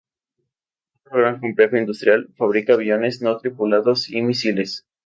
Otro gran complejo industrial fabrica aviones no tripulados y misiles.